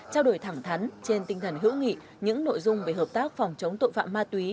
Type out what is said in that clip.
trao đổi thẳng thắn trên tinh thần hữu nghị những nội dung về hợp tác phòng chống tội phạm ma túy